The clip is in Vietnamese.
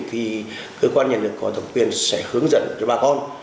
thì cơ quan nhà nước có thẩm quyền sẽ hướng dẫn cho bà con